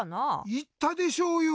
いったでしょうよ！